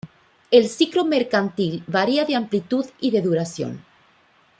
El ciclo mercantil varía de amplitud y de duración.